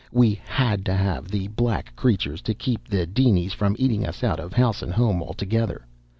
We had to have the black creatures to keep the dinies from eating us out of house and home altogether.